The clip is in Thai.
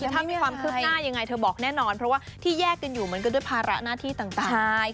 ถ้ามีความคืบหน้ายังไงเธอบอกแน่นอนเพราะว่าที่แยกกันอยู่มันก็ด้วยภาระหน้าที่ต่าง